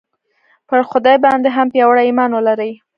پر خدای باندې هم پیاوړی ایمان ولرئ